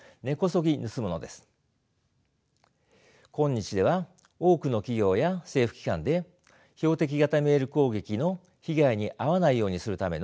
今日では多くの企業や政府機関で標的型メール攻撃の被害に遭わないようにするための訓練を行っていますね。